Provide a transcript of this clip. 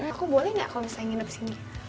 aku boleh gak kalau saya nginep sini